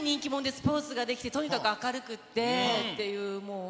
スポーツができてとにかく明るくってっていう。